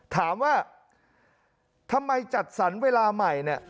ถามว่าทำไมจัดสรรเวลาใหม่เนี่ย